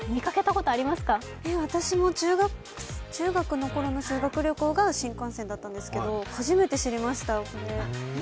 私も中学のころの修学旅行が新幹線だったんですが、初めて知りました、これ。